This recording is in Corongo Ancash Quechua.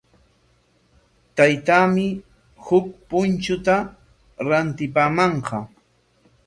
Taytaami huk punchuta rantipamanqa.